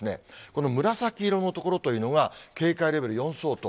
この紫色の所というのが、警戒レベル４相当。